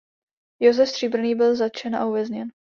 Josef Stříbrný byl zatčen a uvězněn.